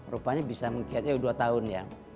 rupanya bisa mengkiatnya dua tahun ya